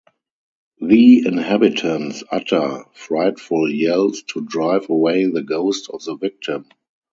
The inhabitants utter frightful yells to drive away the ghost of the victim.